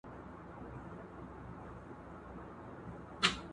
چي زه ویښ وم که ویده وم!!